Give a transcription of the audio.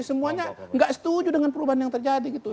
semuanya nggak setuju dengan perubahan yang terjadi gitu